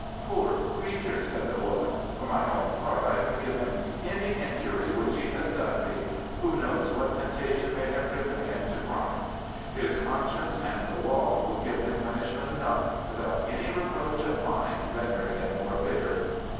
"Poor creature," said the woman. "For my own part, I forgive him any injury which he has done me. Who knows what temptation may have driven him to crime? His conscience and the law will give him punishment enough without any reproach of mine rendering it more bitter."